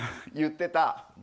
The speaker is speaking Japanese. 言ってた。